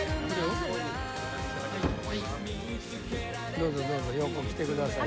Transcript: どうぞどうぞ横来てください。